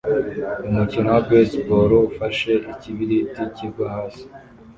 Umukino wa baseball ufashe ikibiriti kigwa hasi